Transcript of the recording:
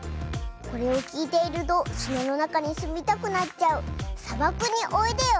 これをきいているとすなのなかにすみたくなっちゃう「さばくにおいでよ」！